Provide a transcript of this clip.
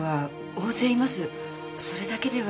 それだけでは。